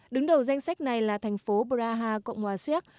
đứng đầu danh sách này là thành phố praha cộng hòa siếc